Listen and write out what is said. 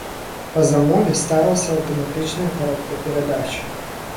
Па замове ставілася аўтаматычная каробка перадач.